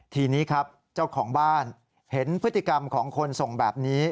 ทีนี้ครับเจ้าของบ้านเห็นพฤติกรรมของคนส่งแบบนี้